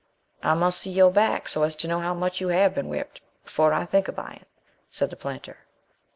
"I must see your back, so as to know how much you have been whipped, before I think of buying," said the planter.